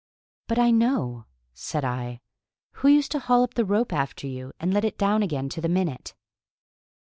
"But I know," said I. "Who used to haul up the rope after you, and let it down again to the minute?"